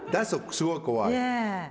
すごい怖い。